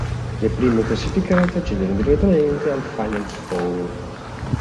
Le prime classificate accedono direttamente al Final Four.